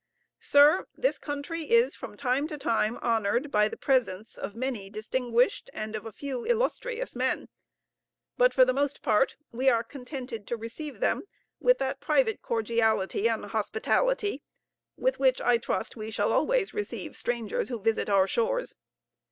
Sir, this country is from time to time honored by the presence of many distinguished, and of a few illustrious men; but for the most part we are contented to receive them with that private cordiality and hospitality with which, I trust, we shall always receive strangers who visit our shores.